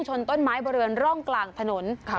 ชนต้นไม้บริเวณร่องกลางถนน